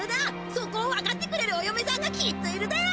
そこをわかってくれるおよめさんがきっといるだよ！